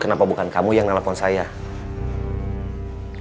kenapa bukan kamu yang ngasih tau pesan dari bos bubun